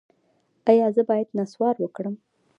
ایا زه باید نسوار وکړم؟